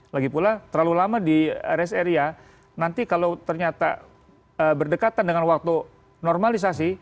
lagi pula terlalu lama di rest area nanti kalau ternyata berdekatan dengan waktu normalisasi